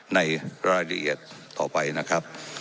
ในรายละเอียดต่อไปนะครับ